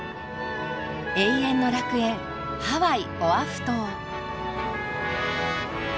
永遠の楽園ハワイ・オアフ島。